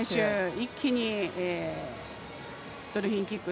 一気にドルフィンキック。